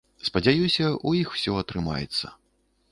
Спадзяюся, у іх усё атрымаецца.